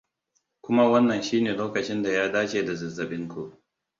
kuma wannan shine lokacin da ya dace da zazzaɓin ku